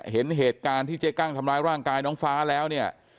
เห็นเหตุการณ์ที่เจ๊กั้งทำร้ายร่างกายน้องฟ้าแล้วเนี่ย